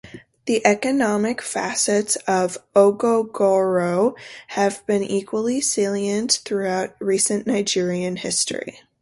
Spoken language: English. The economic facets of ogogoro have been equally salient throughout recent Nigerian history.